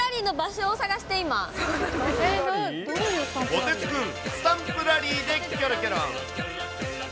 子鉄くん、スタンプラリーでキョロキョロ。